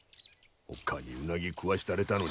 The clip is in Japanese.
おっ母にうなぎ食わしてやれたのに。